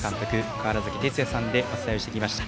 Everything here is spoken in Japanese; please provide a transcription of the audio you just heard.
川原崎哲也さんでお伝えをしてきました。